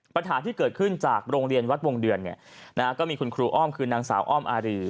ปัญหาที่เกิดขึ้นจากโรงเรียนวัดวงเดือนเนี่ยนะฮะก็มีคุณครูอ้อมคือนางสาวอ้อมอารี